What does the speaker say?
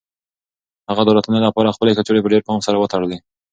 هغه د الوتنې لپاره خپلې کڅوړې په ډېر پام سره وتړلې.